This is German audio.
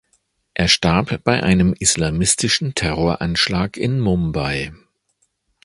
Er starb bei einem islamistischen Terroranschlag in Mumbai.